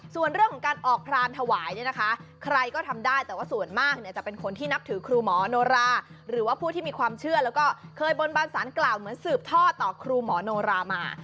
ส่วนเรื่องของการออกพรานถวายเนี่ยนะคะใครก็ทำได้แต่ว่าส่วนมากเนี่ยจะเป็นคนที่นับถือครูหมอโนราหรือว่าผู้ที่มีความเชื่อแล้วก็เคยบนบานสารกล่าวเหมือนสืบท่อต่อครูหมอโนรามา